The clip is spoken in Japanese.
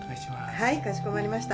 はいかしこまりました。